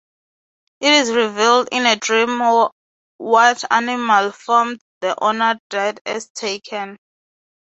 It is revealed in a dream what animal form the honored dead has taken.